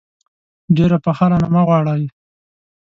ډېره پخه رانه مه غواړئ.